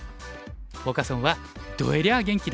フォーカス・オンは「どえりゃあ元気だ！